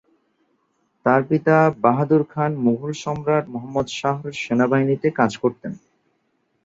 তার পিতা বাহাদুর খান মুঘল সম্রাট মুহাম্মদ শাহ’র সেনাবাহিনীতে কাজ করতেন।